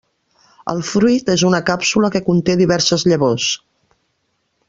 El fruit és una càpsula que conté diverses llavors.